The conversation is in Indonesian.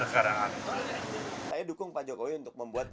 kecuali aturan aturan yang berkeadaan